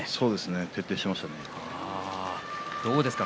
徹底してました。